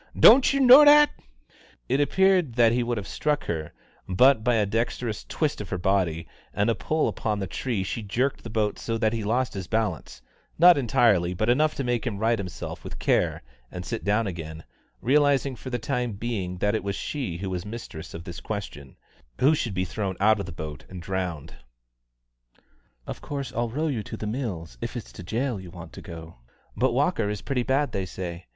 "Don't yer know that?" It appeared that he would have struck her, but by a dexterous twist of her body and a pull upon the tree she jerked the boat so that he lost his balance, not entirely, but enough to make him right himself with care and sit down again, realising for the time being that it was she who was mistress of this question who should be thrown out of the boat and drowned. "Of course I'll row you to The Mills, if it's to jail you want to go; but Walker is pretty bad, they say.